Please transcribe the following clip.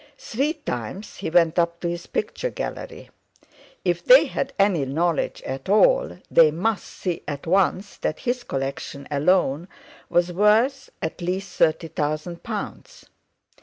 Three times he went up to his picture gallery. If they had any knowledge at all, they must see at once that his collection alone was worth at least thirty thousand pounds.